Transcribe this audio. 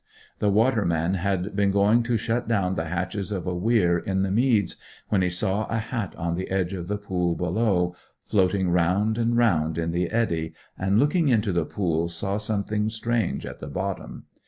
The waterman had been going to shut down the hatches of a weir in the meads when he saw a hat on the edge of the pool below, floating round and round in the eddy, and looking into the pool saw something strange at the bottom.